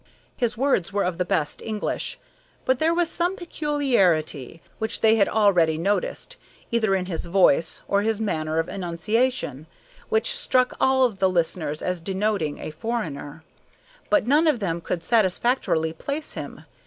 His words were of the best English, but there was some peculiarity, which they had already noticed, either in his voice or his manner of enunciation, which struck all of the listeners as denoting a foreigner. But none of them could satisfactorily place him.